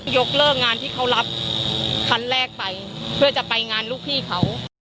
ยกเลิกงานที่เขารับคันแรกไปเพื่อจะไปงานลูกพี่เขา